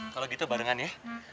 kalo gitu barengan ya